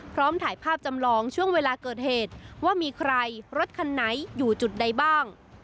พร้อมถ่ายภาพจำลองช่วงเวลาเกิดเหตุว่ามีใครรถคันไหนอยู่จุดใดบ้าง